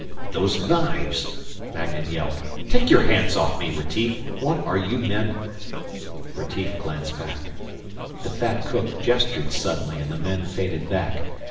"Those knives!" Magnan yelped. "Take your hands off me, Retief! What are you men ?" Retief glanced back. The fat cook gestured suddenly, and the men faded back.